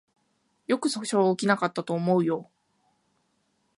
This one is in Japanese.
よく訴訟起きなかったと思うよ